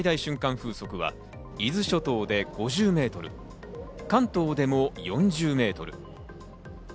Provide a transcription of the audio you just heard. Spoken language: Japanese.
風速は、伊豆諸島で５０メートル、関東でも４０メートル。